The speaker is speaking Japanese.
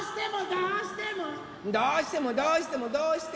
どうしてもどうしてもどうしても！